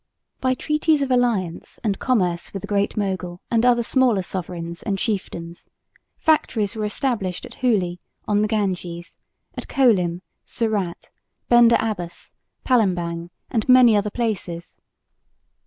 By treaties of alliance and commerce with the Great Mogul and other smaller sovereigns and chieftains factories were established at Hooghly on the Ganges, at Coelim, Surat, Bender Abbas, Palembang and many other places.